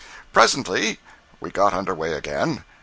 Presently we got under way again.